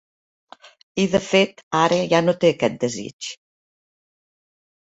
I de fet, ara ja no té aquest desig.